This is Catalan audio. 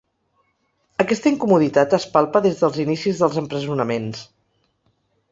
Aquesta incomoditat es palpa des dels inicis dels empresonaments.